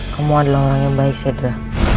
kamu adalah orang yang baik sedra